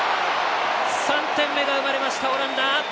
３点目が生まれました、オランダ。